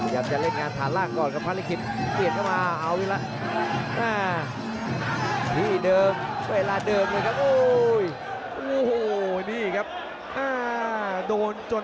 อยากจะเล่นงานฐานล่างก่อนครับภารกิจ